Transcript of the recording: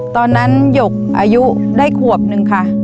ตอนนั้นหยกอายุได้ควบหนึ่งค่ะ